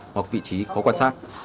hoặc vị trí khó quan sát